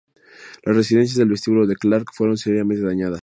Las residencias del vestíbulo de Clark fueron seriamente dañadas.